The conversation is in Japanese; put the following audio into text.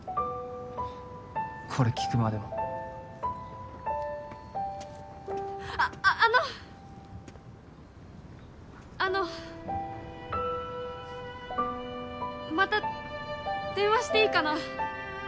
これ聞くまではあっあのあのまた電話していいかな？